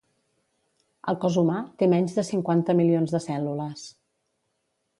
El cos humà té menys de cinquanta milions de cèl·lules.